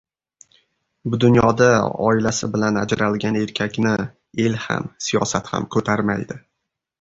Bu dunyoda oilasi bilan ajralgan erkakni el ham, siyosat ham ko‘tarmaydi.